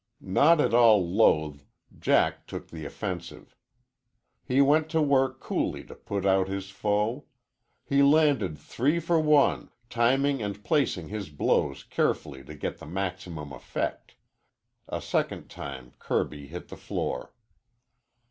Not at all loath, Jack took the offensive. He went to work coolly to put out his foe. He landed three for one, timing and placing his blows carefully to get the maximum effect. A second time Kirby hit the floor.